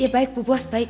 ya baik bu bos baik